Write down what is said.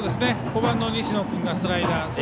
５番の西野君がスライダー。